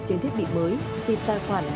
trên thiết bị mới thì tài khoản